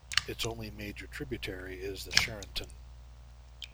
Its only major tributary is the Charentonne.